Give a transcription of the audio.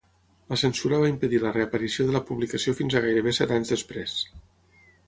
La censura va impedir la reaparició de la publicació fins a gairebé set anys després.